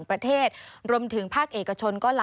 สวัสดีค่ะสวัสดีค่ะ